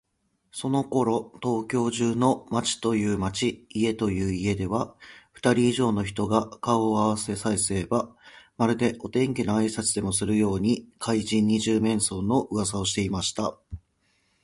そのころ、東京中の町という町、家という家では、ふたり以上の人が顔をあわせさえすれば、まるでお天気のあいさつでもするように、怪人「二十面相」のうわさをしていました。